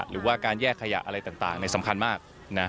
หรือว่าการแยกขยะอะไรต่างสำคัญมากนะ